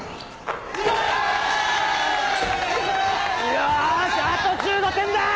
よしあと１５点だ！